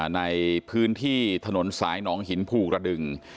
ในพื้นที่ถนนสายหนองหินภูกระดึง